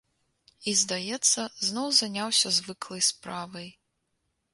І, здаецца, зноў заняўся звыклай справай.